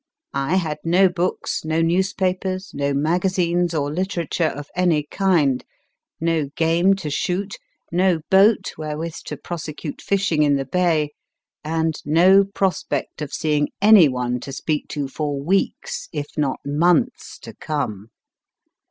I had no books, no newspapers, no magazines or literature of any kind, no game to shoot, no boat wherewith to prosecute fishing in the bay, and no prospect of seeing anyone to speak to for weeks, if not months, to come.